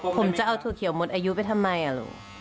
ผมจะเอาถั่วเขียวหมดอายุไปทำไมอ่ะลูก